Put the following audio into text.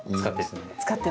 使って。